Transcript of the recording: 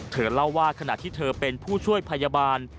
เธอเล่าว่าขณะที่เธอเป็นผู้ช่วยพยาบาล